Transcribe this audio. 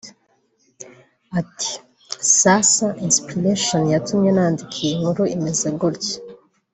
Ati “ Sasa inspiration yatumye nandika iyi nkuru imeze gutya